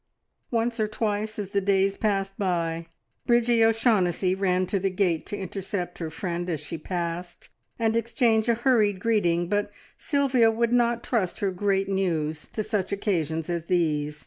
Once or twice as the days passed by, Bridgie O'Shaughnessy ran to the gate to intercept her friend as she passed, and exchange a hurried greeting, but Sylvia would not trust her great news to such occasions as these.